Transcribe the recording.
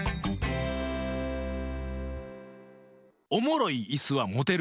おもろいいすはもてる。